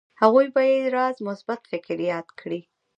هغوی به يې راز مثبت فکر ياد کړي.